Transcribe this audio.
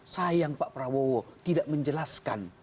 sayang pak prabowo tidak menjelaskan